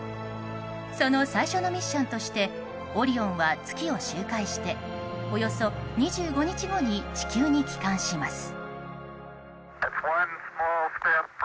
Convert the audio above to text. その最初のミッションとして「オリオン」は月を周回しておよそ２５日後に地球に帰還します。